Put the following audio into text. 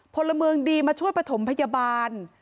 พลเมิงดีมาช่วยปฐมพยาบาล